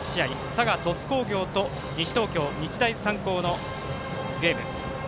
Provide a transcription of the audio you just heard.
佐賀、鳥栖工業と西東京、日大三高のゲーム。